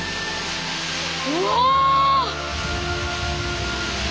うわ！